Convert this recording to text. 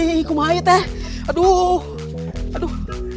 iiii kumah aja teh aduh aduh